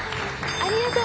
ありがとう。